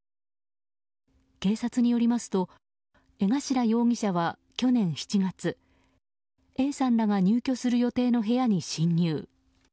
警察によりますと江頭容疑者は去年７月Ａさんらが入居する予定の部屋に侵入。